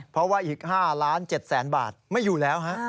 เพราะว่าอีก๕๗ล้านบาทไม่อยู่แล้ว